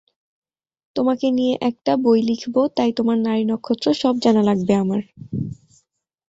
তোমাকে নিয়ে একটা বই লিখব, তাই তোমার নাড়িনক্ষত্র সব জানা লাগবে আমার।